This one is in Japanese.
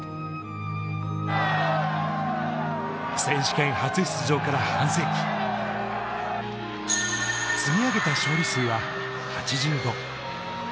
選手権初出場から半世紀、積み上げた勝利数は８５。